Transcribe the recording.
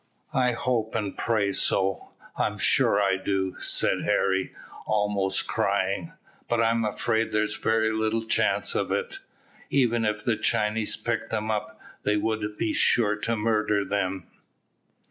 "I hope and pray so, I'm sure I do," said Harry, almost crying, "but I'm afraid there's very little chance of it. Even if the Chinese picked them up, they would be sure to murder them."